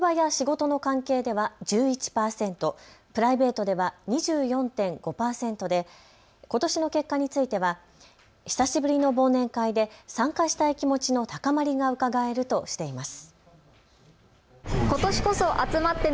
ぐるなびによりますと去年、実際に忘年会に参加した人は職場や仕事の関係では１１％、プライベートでは２４．５％でことしの結果については久しぶりの忘年会で参加したい気持ちの高まりがうかがえるとしています。